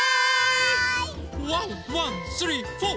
ワンワンスリーフォー！